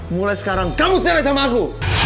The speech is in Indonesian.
mulai sekarang kamu tele sama aku